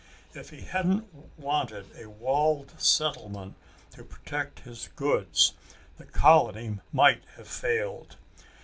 If he hadn't wanted a walled settlement to protect his goods, the colony might have failed.